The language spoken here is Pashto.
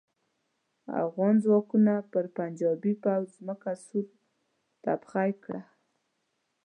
افغان ځواکونو پر پنجاپي پوځ ځمکه سور تبخی کړه.